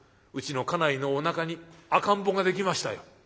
うちの家内のおなかに赤ん坊ができましたよ」。